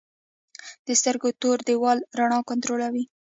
د سترګو تور دیوال رڼا کنټرولوي